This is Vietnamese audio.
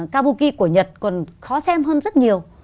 kabuki của nhật còn khó xem hơn rất nhiều